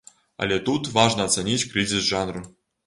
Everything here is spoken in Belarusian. Але тут важна ацаніць крызіс жанру.